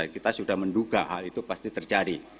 kita sudah menduga hal itu pasti terjadi